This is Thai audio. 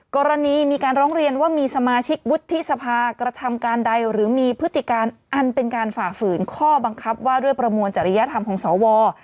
กรณีมีการร้องเรียนว่ามีสมาชิกวุฒิสภากระทำการใดหรือมีพฤติการอันเป็นการฝ่าฝืนข้อบังคับว่าด้วยประมวลจริยธรรมของสว